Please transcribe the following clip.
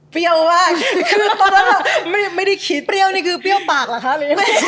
เปรี้ยวมากคือตอนนั้นแหละไม่ได้คิดเปรี้ยวนี่คือเปรี้ยวปากหรอคะเรน